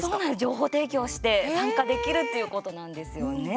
情報提供して参加できるということなんですよね。